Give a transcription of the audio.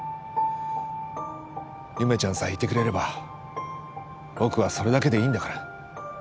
夢ちゃんさえいてくれれば僕はそれだけでいいんだから